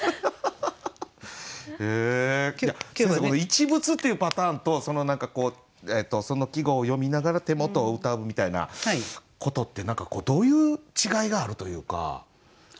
この「一物」っていうパターンとその季語を詠みながら手元をうたうみたいなことって何かどういう違いがあるというか？